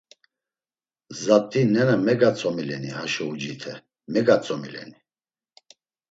Zat̆i nena megatzomileni haşo uciti megatzomileni?